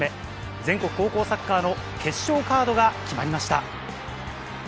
全国高校サッカーの決勝カードが決まりました。